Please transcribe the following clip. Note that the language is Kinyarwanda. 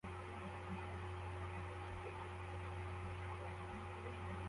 Umukecuru kumuhanda yasaga nkuwasinze cyane